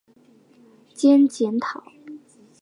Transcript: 兼检讨。